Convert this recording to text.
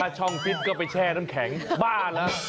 ถ้าช่องฟีสก็ไปแช่ด้านแข่งบ้าละ